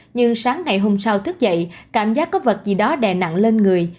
nhưng sáng ngày hôm sau thức dậy cảm giác có vật gì đó đè nặng lên người